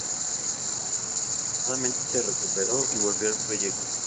Afortunadamente se recuperó y volvió al proyecto.